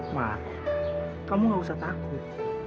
mak kamu tidak perlu takut